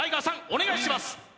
お願いします